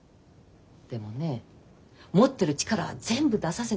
でもね持ってる力は全部出させてあげたいの。